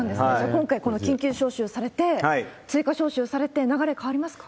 今回、緊急招集されて、追加招集されて、流れ変わりますか？